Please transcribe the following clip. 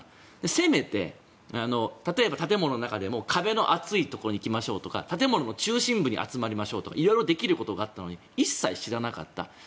せめて、例えば建物の中でも壁の厚いところに行きましょうとか建物の中心部に集まりましょうとかいろいろできることがあったのに一切知らなかった。